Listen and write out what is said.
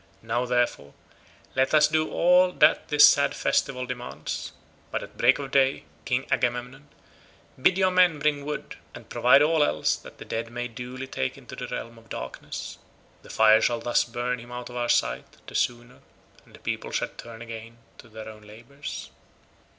Now, therefore, let us do all that this sad festival demands, but at break of day, King Agamemnon, bid your men bring wood, and provide all else that the dead may duly take into the realm of darkness; the fire shall thus burn him out of our sight the sooner, and the people shall turn again to their own labours."